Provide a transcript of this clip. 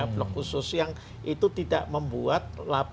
blok khusus yang itu tidak membuat